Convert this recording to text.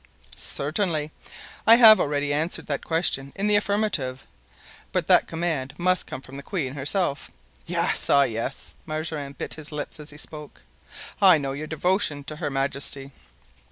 "Certainly. I have already answered that question in the affirmative; but that command must come from the queen herself." "Yes! ah yes!" Mazarin bit his lips as he spoke; "I know your devotion to her majesty."